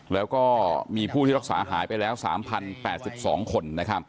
แล้วก็มีผู้ที่รักษาหายไปแล้ว๓๐๘๒คน